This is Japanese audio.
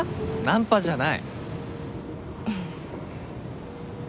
ナンパじゃない！